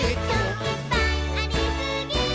「いっぱいありすぎー！！」